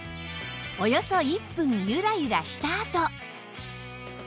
およそ１分ゆらゆらしたあと